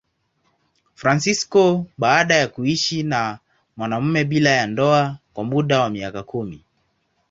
Fransisko baada ya kuishi na mwanamume bila ya ndoa kwa muda wa miaka kumi.